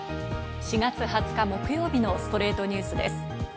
４月２０日、木曜日の『ストレイトニュース』です。